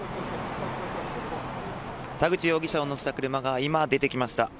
田口容疑者を乗せた車が今、出てきました。